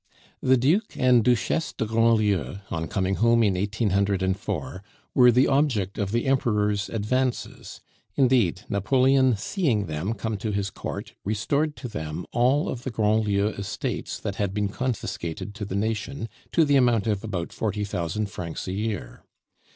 The Duc and Duchesse de Grandlieu, on coming home in 1804, were the object of the Emperor's advances; indeed, Napoleon, seeing them come to his court, restored to them all of the Grandlieu estates that had been confiscated to the nation, to the amount of about forty thousand francs a year.